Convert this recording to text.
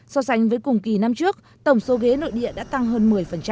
so sánh với cùng kỳ năm trước tổng số ghế nội địa đã tăng hơn một mươi